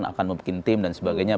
akan membuat tim dan sebagainya